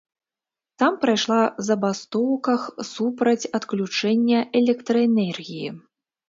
Там прайшла забастоўках супраць адключэння электраэнергіі.